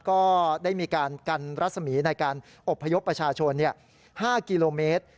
ก็ได้มีการกันรัศมีในการอบพยพประชาชน๕กิโลเมตร